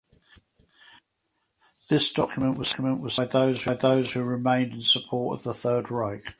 This document was signed by those that remained in support of the Third Reich.